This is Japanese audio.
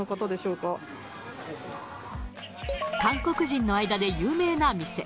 韓国人の間で有名な店。